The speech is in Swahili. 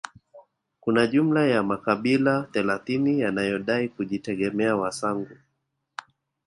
Kuna jumla ya makabila thelathini yanayodai kujitegemea Wasangu